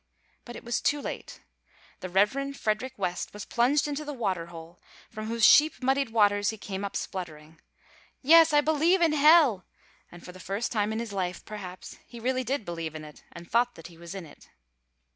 But it was too late. The Rev. Frederick West was plunged into the water hole, from whose sheep muddied waters he came up spluttering, "Yes, I believe in hell!" and for the first time in his life, perhaps, he really did believe in it, and thought that he was in it.